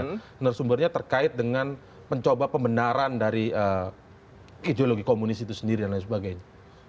narasumbernya terkait dengan mencoba pembenaran dari ideologi komunis itu sendiri dan lain sebagainya